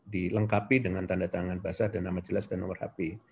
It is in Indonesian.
dilengkapi dengan tanda tangan basah dan nama jelas dan nomor hp